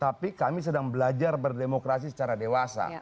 tapi kami sedang belajar berdemokrasi secara dewasa